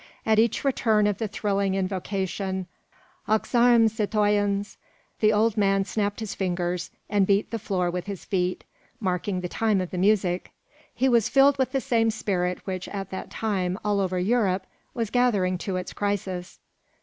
At each return of the thrilling invocation, "Aux armes, citoyens!" the old man snapped his fingers, and beat the floor with his feet, marking the time of the music. He was filled with the same spirit which at that time, over all Europe, was gathering to its crisis.